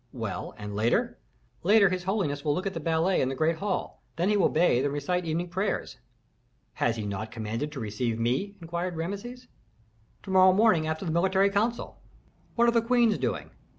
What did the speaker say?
"Well, and later?" "Later his holiness will look at the ballet in the great hall, then he will bathe and recite evening prayers." "Has he not commanded to receive me?" inquired Rameses. "To morrow morning after the military council." "What are the queens doing?"